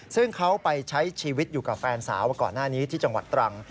ซึ่งเขาไปใช้ชีวิตอยู่กับแฟนสาวมาก่อนหน้านี้ที่จังหวัดตรัง